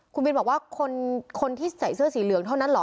คุณบินบอกว่าคนที่ใส่เสื้อสีเหลืองเท่านั้นเหรอ